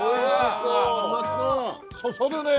そそるねえ！